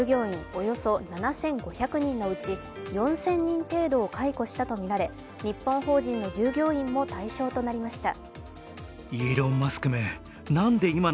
およそ７５００人のうち４０００人程度を解雇したとみられ日本法人の従業員も対象となりました。